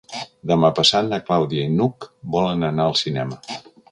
Demà passat na Clàudia i n'Hug volen anar al cinema.